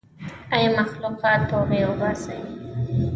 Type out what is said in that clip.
ای مخلوقه توبې وباسئ.